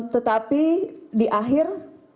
tetapi di akhir